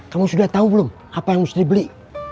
kamu sudah tahu belum apa yang harus dibeli